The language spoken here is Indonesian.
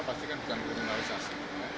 pasti kan bukan kriminalisasi